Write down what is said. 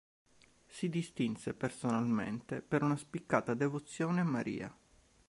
Si distinse personalmente per una spiccata devozione a Maria.